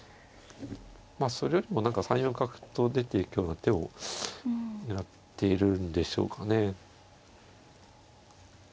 まあそれよりも何か３四角と出ていくような手を狙っているんでしょうかね。